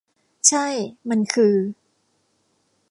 ใช่ มันคือ ?